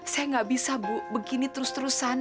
saya nggak bisa bu begini terus terusan